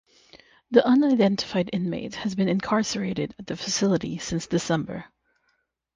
The unidentified inmate has been incarcerated at the facility since December.